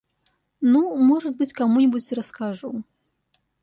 Ну, может быть кому-нибудь и расскажу.